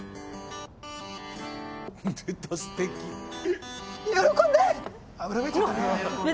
よ喜んで！